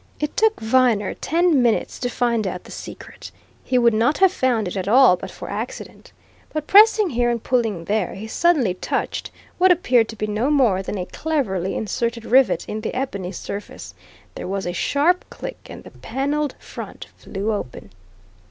It took Viner ten minutes to find out the secret. He would not have found it at all but for accident. But pressing here and pulling there, he suddenly touched what appeared to be no more than a cleverly inserted rivet in the ebony surface; there was a sharp click, and the panelled front flew open.